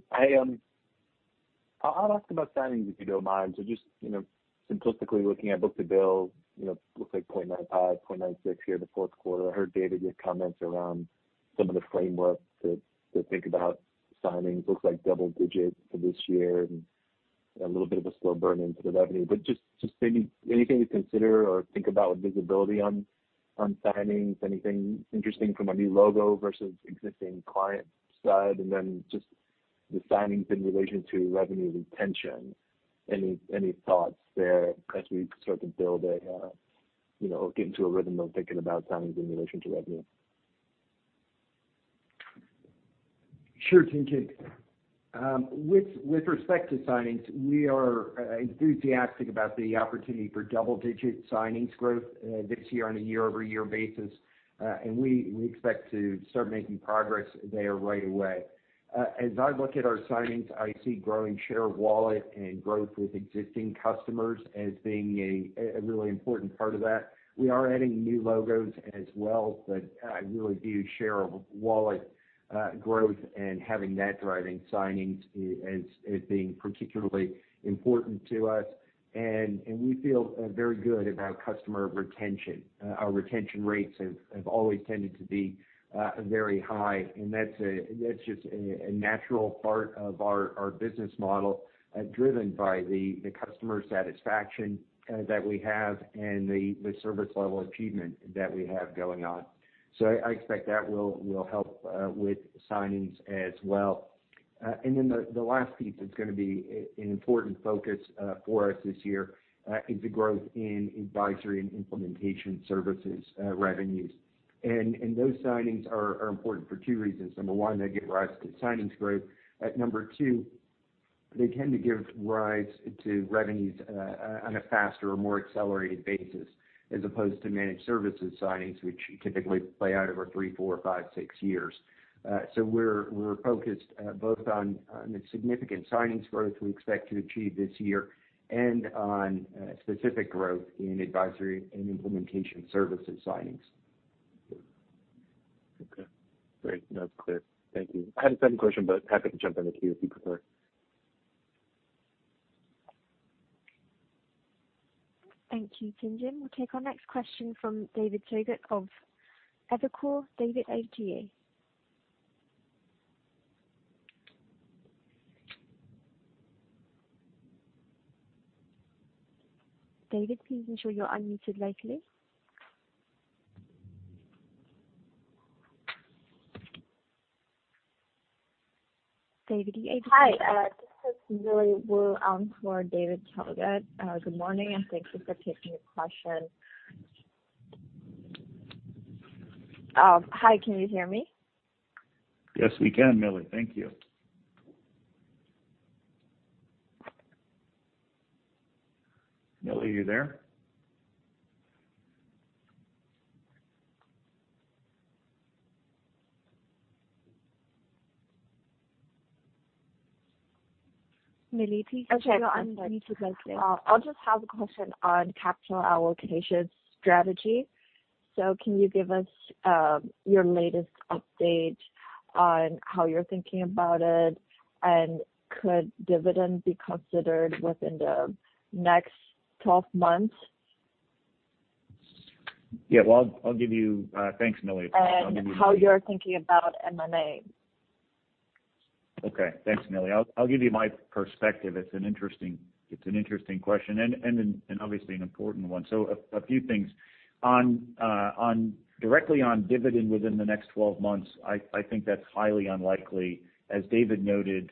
I'll ask about signings if you don't mind. Just, you know, simplistically looking at book-to-bill, you know, looks like 0.95, 0.96 here in the Q4. I heard David, your comments around some of the framework to think about signings. Looks like double digits for this year and a little bit of a slow burn into the revenue. Just maybe anything to consider or think about with visibility on signings, anything interesting from a new logo versus existing client side? Just the signings in relation to revenue intention, any thoughts there as we sort of build a, you know, get into a rhythm of thinking about signings in relation to revenue. Sure, Tien-Tsin Huang. With respect to signings, we are enthusiastic about the opportunity for double-digit signings growth this year on a year-over-year basis. We expect to start making progress there right away. As I look at our signings, I see growing share of wallet and growth with existing customers as being a really important part of that. We are adding new logos as well, but I really view share of wallet growth and having that driving signings as being particularly important to us. We feel very good about customer retention. Our retention rates have always tended to be very high, and that's just a natural part of our business model, driven by the customer satisfaction that we have and the service level achievement that we have going on. I expect that will help with signings as well. Then the last piece that's gonna be an important focus for us this year is the growth in advisory and implementation services revenues. Those signings are important for two reasons. Number one, they give rise to signings growth. Number two, they tend to give rise to revenues on a faster or more accelerated basis, as opposed to managed services signings, which typically play out over three, four, five, six years. We're focused both on the significant signings growth we expect to achieve this year and on specific growth in advisory and implementation services signings. Okay. Great. No, clear. Thank you. I had a second question, but happy to jump down the queue if you prefer. Thank you, Tien-Tsin Huang. We'll take our next question from David Togut of Evercore ISI, David Togut. David, please ensure you're unmuted likely. David, are you able to- Hi, this is Millie Wu for David Togut. Good morning, and thank you for taking the question. Hi, can you hear me? Yes, we can, Millie. Thank you. Millie, are you there? Millie, please ensure you're unmuted, likely. Okay. I'm sorry. I'll just have a question on capital allocation strategy. Can you give us your latest update on how you're thinking about it? Could dividend be considered within the next 12 months? Yeah. Well, thanks, Millie. I'll give you- How you're thinking about M&A. Okay. Thanks, Millie. I'll give you my perspective. It's an interesting question and obviously an important one. A few things. On directly on dividend within the next 12 months, I think that's highly unlikely. As David noted,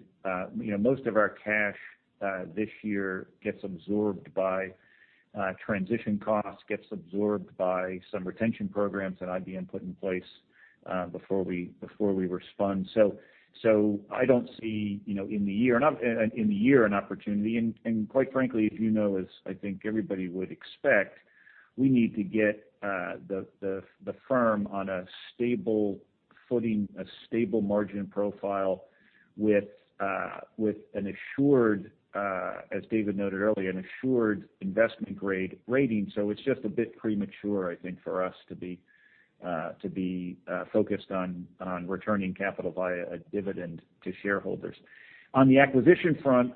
you know, most of our cash this year gets absorbed by transition costs, gets absorbed by some retention programs that IBM put in place before we were spun. I don't see, you know, in the year an opportunity. Quite frankly, you know, as I think everybody would expect, we need to get the firm on a stable footing, a stable margin profile with an assured, as David noted earlier, investment-grade rating. It's just a bit premature, I think, for us to be focused on returning capital via a dividend to shareholders. On the acquisition front,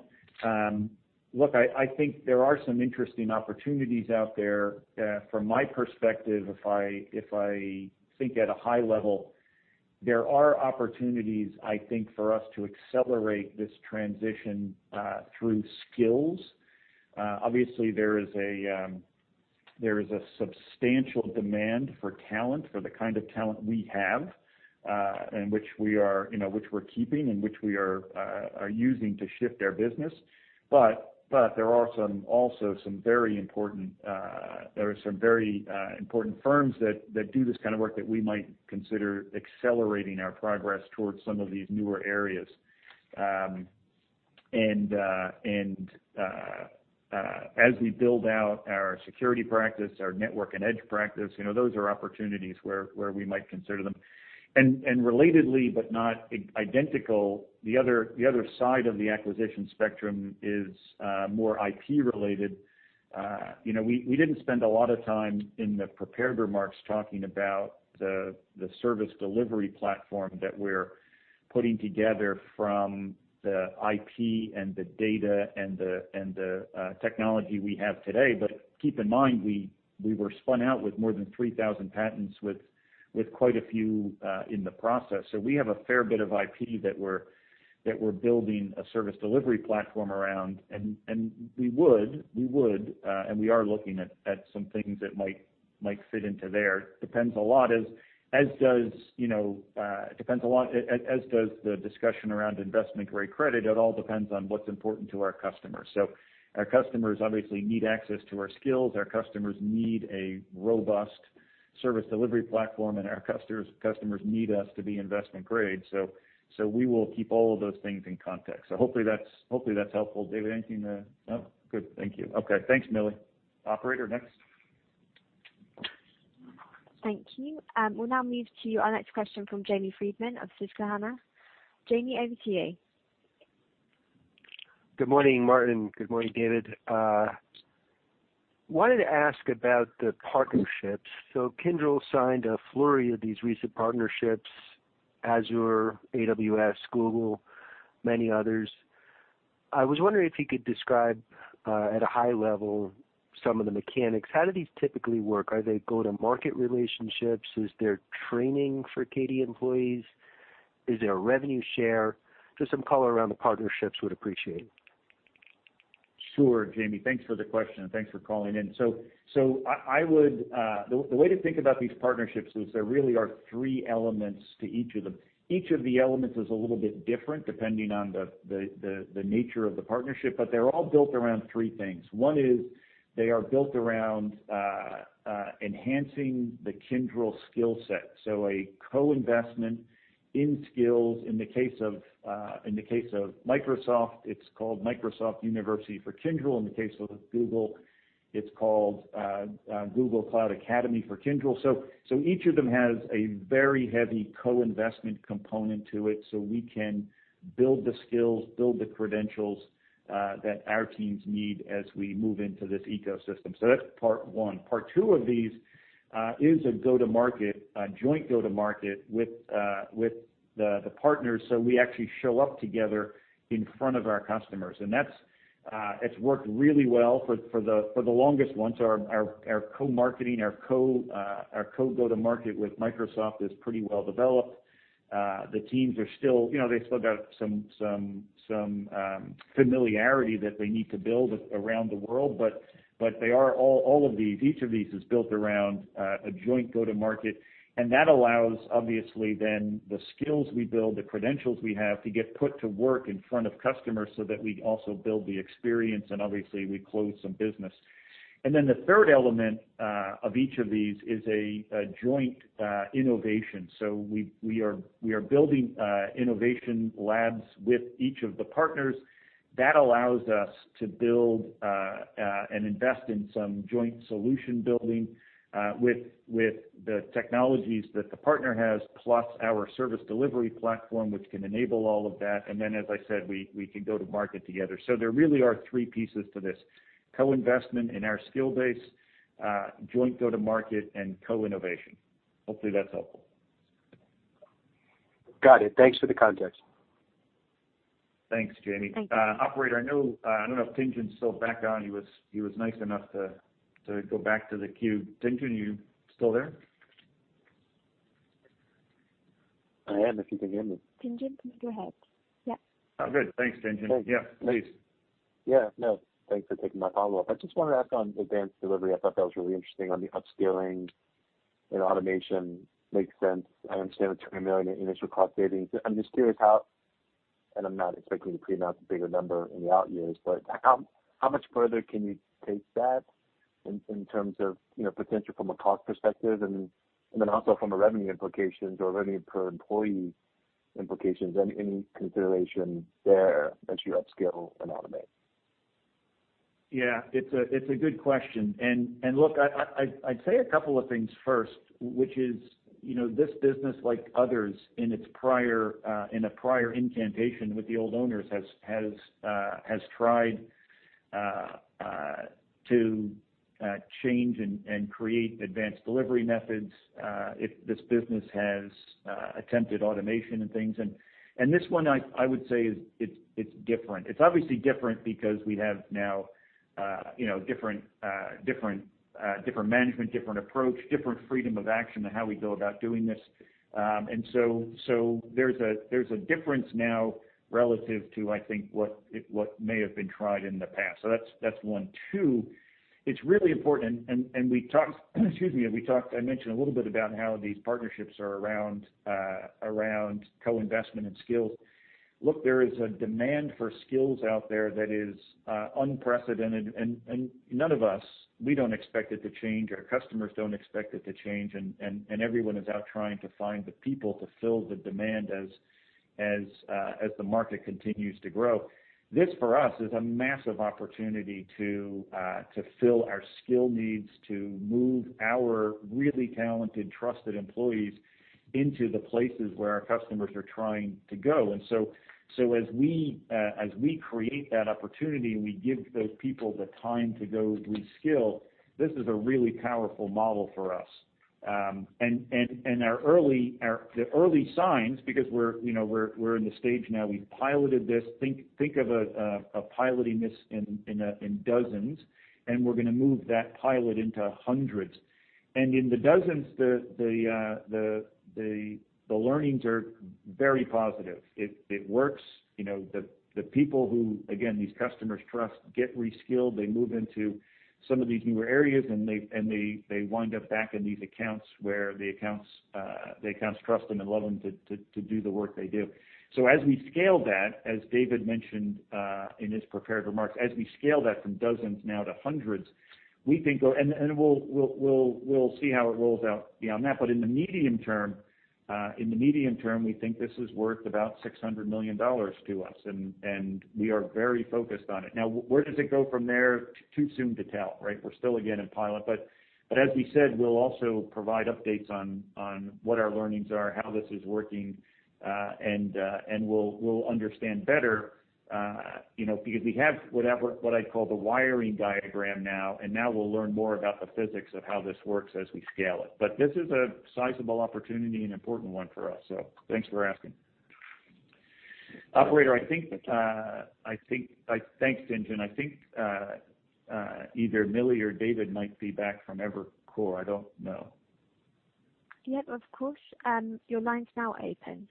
look, I think there are some interesting opportunities out there. From my perspective, if I think at a high level, there are opportunities, I think, for us to accelerate this transition through skills. Obviously, there is a substantial demand for talent, for the kind of talent we have and which we are keeping, you know, and using to shift our business. There are some very important firms that do this kind of work that we might consider accelerating our progress towards some of these newer areas. As we build out our security practice, our network and edge practice, you know, those are opportunities where we might consider them. Relatedly, but not identical, the other side of the acquisition spectrum is more IP related. You know, we didn't spend a lot of time in the prepared remarks talking about the service delivery platform that we're putting together from the IP and the data and the technology we have today. Keep in mind, we were spun out with more than 3,000 patents with quite a few in the process. We have a fair bit of IP that we're building a service delivery platform around, and we are looking at some things that might fit into there. It depends a lot, as does the discussion around investment-grade credit, on what's important to our customers. Our customers obviously need access to our skills. Our customers need a robust service delivery platform and our customers need us to be investment grade. We will keep all of those things in context. Hopefully that's helpful. David, anything to. No. Good. Thank you. Okay, thanks, Millie. Operator, next. Thank you. We'll now move to our next question from Jamie Friedman of Susquehanna. Jamie, over to you. Good morning, Martin. Good morning, David. Wanted to ask about the partnerships. Kyndryl signed a flurry of these recent partnerships, Azure, AWS, Google, many others. I was wondering if you could describe at a high level some of the mechanics. How do these typically work? Are they go-to-market relationships? Is there training for KD employees? Is there a revenue share? Just some color around the partnerships would appreciate. Sure, Jamie. Thanks for the question, and thanks for calling in. The way to think about these partnerships is there really are three elements to each of them. Each of the elements is a little bit different depending on the nature of the partnership, but they're all built around three things. One is they are built around enhancing the Kyndryl skill set, so a co-investment in skills. In the case of Microsoft, it's called Kyndryl University for Microsoft. In the case of Google, it's called Google Cloud Academy for Kyndryl. Each of them has a very heavy co-investment component to it, so we can build the skills, build the credentials that our teams need as we move into this ecosystem. That's part one. Part two of these is a go-to-market, a joint go-to-market with the partners. We actually show up together in front of our customers. That's worked really well for the longest ones. Our co-marketing, our co-go-to-market with Microsoft is pretty well developed. The teams are still, you know, they still got some familiarity that they need to build around the world, but they are all of these, each of these is built around a joint go-to-market, and that allows obviously then the skills we build, the credentials we have to get put to work in front of customers so that we also build the experience, and obviously we close some business. Then the third element of each of these is a joint innovation. We are building innovation labs with each of the partners. That allows us to build and invest in some joint solution building with the technologies that the partner has, plus our service delivery platform, which can enable all of that. Then as I said, we can go to market together. There really are three pieces to this. Co-investment in our skill base, joint go-to-market, and co-innovation. Hopefully that's helpful. Got it. Thanks for the context. Thanks, Jamie. Thank you. Operator, I know, I don't know if Tien-Tsin Huang's still back on. He was nice enough to go back to the queue. Tien-Tsin Huang, you still there? I am, if you can hear me. Tien-Tsin Huang, please go ahead. Yep. Oh, good. Thanks, Tien-Tsin. Sure. Yeah, please. Yeah, no, thanks for taking my follow-up. I just wanted to ask on advanced delivery. I thought that was really interesting on the upskilling and automation. Makes sense. I understand the $20 million in initial cost savings. I'm just curious how, and I'm not expecting to pre-announce a bigger number in the out years, but how much further can you take that in terms of, you know, potential from a cost perspective and then also from a revenue implications or revenue per employee implications and any consideration there as you upskill and automate? Yeah. It's a good question. Look, I'd say a couple of things first, which is, you know, this business, like others in its prior incarnation with the old owners, has tried to change and create advanced delivery methods. This business has attempted automation and things, and this one I would say it's different. It's obviously different because we have now, you know, different management, different approach, different freedom of action in how we go about doing this. There's a difference now relative to, I think, what may have been tried in the past. That's one. Two, it's really important. We talked, I mentioned a little bit about how these partnerships are around co-investment and skills. Look, there is a demand for skills out there that is unprecedented, and none of us, we don't expect it to change, our customers don't expect it to change, and everyone is out trying to find the people to fill the demand as the market continues to grow. This, for us, is a massive opportunity to fill our skill needs, to move our really talented, trusted employees into the places where our customers are trying to go. As we create that opportunity, and we give those people the time to go reskill, this is a really powerful model for us. Our early signs, because we're you know in the stage now, we've piloted this. Think of piloting this in dozens, and we're gonna move that pilot into hundreds. In the dozens, the learnings are very positive. It works. You know, the people who again these customers trust get reskilled, they move into some of these newer areas, and they wind up back in these accounts where the accounts trust them and love them to do the work they do. As we scale that, as David mentioned in his prepared remarks, as we scale that from dozens now to hundreds, we think we're. We'll see how it rolls out beyond that. In the medium term, we think this is worth about $600 million to us, and we are very focused on it. Now where does it go from there? Too soon to tell, right? We're still again in pilot. As we said, we'll also provide updates on what our learnings are, how this is working, and we'll understand better, you know, because we have what I'd call the wiring diagram now, and now we'll learn more about the physics of how this works as we scale it. This is a sizable opportunity and important one for us, so thanks for asking. Operator, I think, thanks, Tien-Tsin Huang. I think, either Millie Wu or David Togut might be back from Evercore. I don't know. Yep, of course. Your line's now open.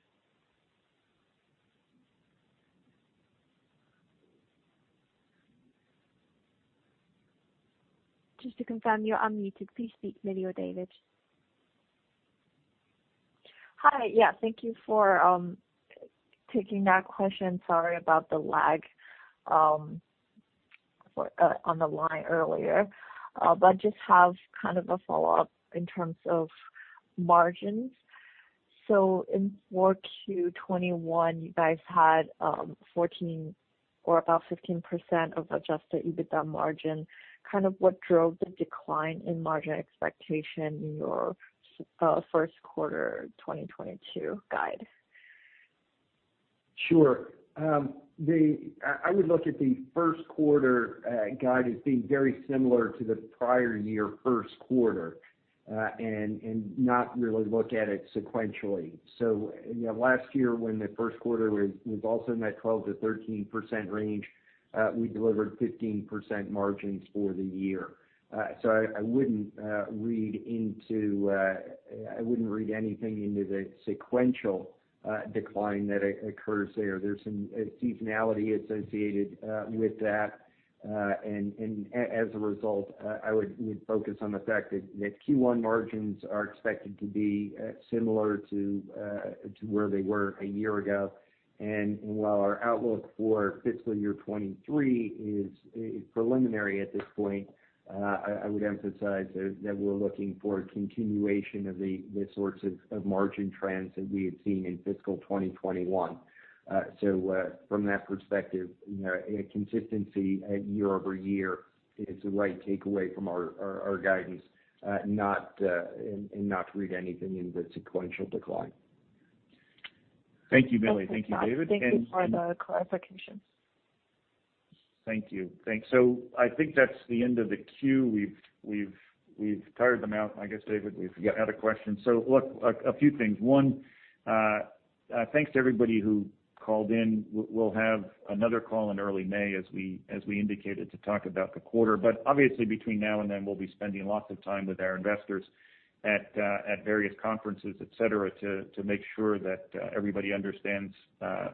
Just to confirm you're unmuted, please speak, Millie or David. Hi. Yeah, thank you for taking that question. Sorry about the lag on the line earlier. I just have kind of a follow-up in terms of margins. In Q4 2021, you guys had 14 or about 15% adjusted EBITDA margin. What drove the decline in margin expectation in your Q1 2022 guide? Sure. I would look at the Q1 guide as being very similar to the prior year Q1, and not really look at it sequentially. You know, last year when the Q1 was also in that 12%-13% range, we delivered 15% margins for the year. I wouldn't read anything into the sequential decline that occurs there. There's some seasonality associated with that. As a result, I would focus on the fact that Q1 margins are expected to be similar to where they were a year ago. While our outlook for fiscal year 2023 is preliminary at this point, I would emphasize that we're looking for a continuation of the sorts of margin trends that we had seen in fiscal 2021. So, from that perspective, you know, consistency year-over-year is the right takeaway from our guidance, not to read anything in the sequential decline. Thank you, Millie. Thank you, David. Thank you for the clarification. Thank you. I think that's the end of the queue. We've tired them out. I guess, David, we've had a question. Look, a few things. One, thanks to everybody who called in. We'll have another call in early May as we indicated to talk about the quarter. Obviously, between now and then, we'll be spending lots of time with our investors at various conferences, et cetera, to make sure that everybody understands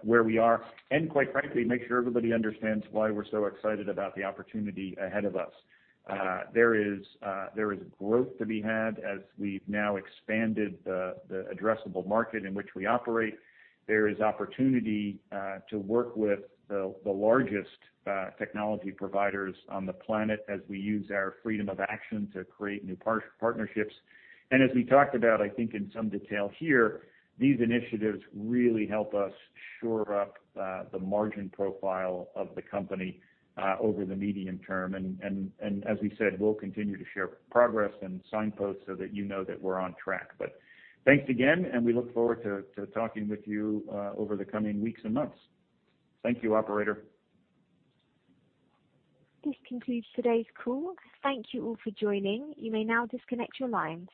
where we are, and quite frankly, make sure everybody understands why we're so excited about the opportunity ahead of us. There is growth to be had as we've now expanded the addressable market in which we operate. There is opportunity to work with the largest technology providers on the planet as we use our freedom of action to create new partnerships. As we talked about, I think in some detail here, these initiatives really help us shore up the margin profile of the company over the medium term. As we said, we'll continue to share progress and signposts so that you know that we're on track. Thanks again, and we look forward to talking with you over the coming weeks and months. Thank you, operator. This concludes today's call. Thank you all for joining. You may now disconnect your lines.